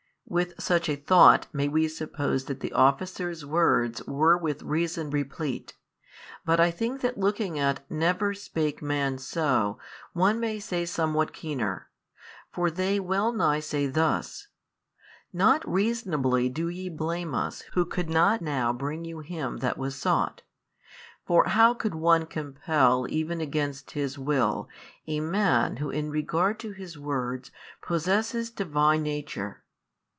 With such a thought may we suppose that the officers' words were with reason replete. But I think that looking at Never spake man so. one may say somewhat keener. For they well nigh say thus, Not reasonably do ye blame us who could not now bring you Him That was sought: for how could one compel even against His Will a Man Who in regard to His Words possesseth Divine Nature?